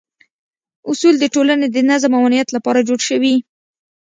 اصول د ټولنې د نظم او امنیت لپاره جوړ شوي.